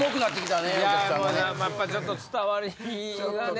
やっぱちょっと伝わりがね。